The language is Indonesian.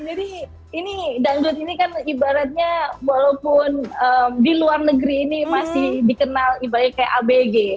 jadi ini dangdut ini kan ibaratnya walaupun di luar negeri ini masih dikenal ibaratnya kayak abg